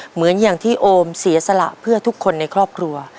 เหมือนอย่างที่โอมเสียสละเพื่อทุกคนในครอบครัว